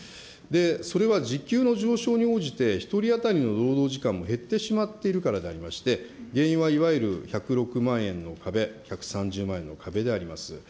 それは時給の上昇に応じて、１人当たりの労働時間も減ってしまっているからでありまして、原因はいわゆる１０６万円の壁、１３０万円の壁であります。